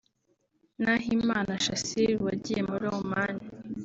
Nahimana Shassir wagiye muri Oman